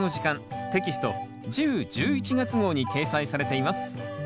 テキスト１０・１１月号に掲載されています。